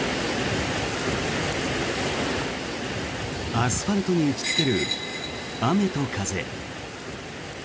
アスファルトに打ちつける雨と風。